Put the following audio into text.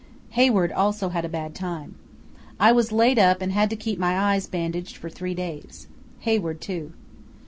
Hayward also had a bad time. I was laid up and had to keep my eyes bandaged for three days. Hayward, too."